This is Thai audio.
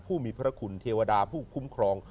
ผู้มีพระคุณเทวดาผู้คุ้มครอง